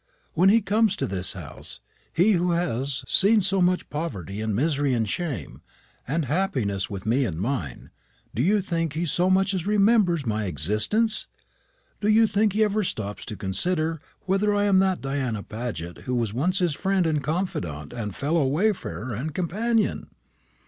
When he comes to this house he who has seen so much poverty, and misery, and shame, and happiness with me and mine do you think he so much as remembers my existence? Do you think he ever stops to consider whether I am that Diana Paget who was once his friend and confidante and fellow wayfarer and companion?